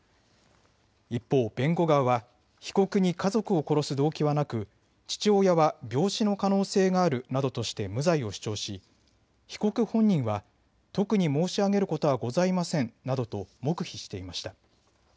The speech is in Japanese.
一方、弁護側は被告に家族を殺す動機はなく父親は病死の可能性があるなどとして無罪を主張し被告本人は特に申し上げることはございませんなどと黙秘していました。